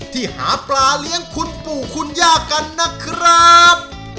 ที่หาปลาเลี้ยงคุณปู่คุณย่ากันนะครับ